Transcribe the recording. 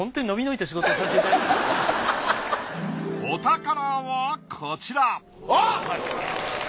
お宝はこちらあっ！